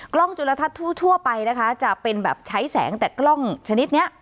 จุลทัศน์ทั่วไปนะคะจะเป็นแบบใช้แสงแต่กล้องชนิดนี้